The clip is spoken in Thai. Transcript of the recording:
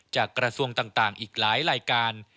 กระทรวงต่างอีกหลายรายการ